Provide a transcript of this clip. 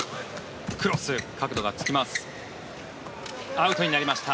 アウトになりました。